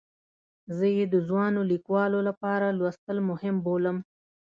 زه یې د ځوانو لیکوالو لپاره لوستل مهم بولم.